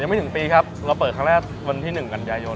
อ๋อยังไม่ถึงปีครับเราเปิดครั้งแรกวันที่หนึ่งกันยายน